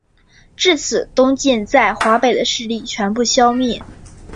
至此东晋在华北的势力全部消灭。